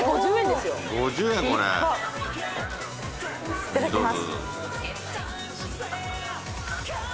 いただきます。